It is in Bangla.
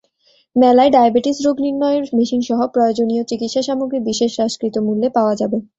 মেলায় ডায়াবেটিস রোগ নির্ণয়ের মেশিনসহ প্রয়োজনীয় চিকিৎসাসামগ্রী বিশেষ হ্রাসকৃত মূল্যে পাওয়া যাবে।